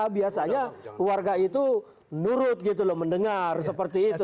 biasanya warga itu nurut gitu loh mendengar seperti itu